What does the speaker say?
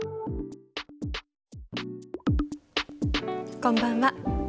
こんばんは。